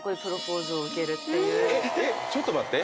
ちょっと待って。